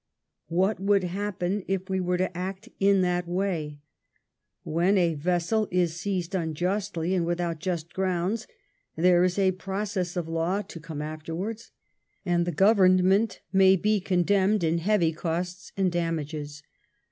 What would happen if we were to act in that way ? When a vessel is seized unjustly and without just grounds, there is a process of law to come afterwards, and the Government may be condemned in heavy costs and damages.